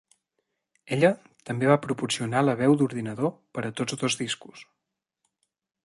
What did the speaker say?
Ella també va proporcionar la veu d'ordinador per a tots dos discos.